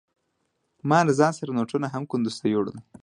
ما ځان سره نوټونه هم کندوز ته يوړل.